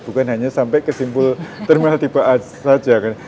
bukan hanya sampai ke simpul terminal tipe a saja kan